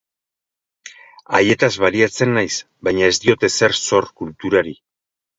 Haietaz baliatzen naiz, baina ez diot ezer zor kulturari.